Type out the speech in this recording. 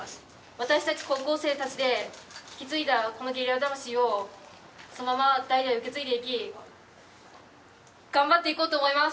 私たち高校生たちで引き継いだこのゲリラ魂をそのまま代々受け継いでいきがんばっていこうと思います！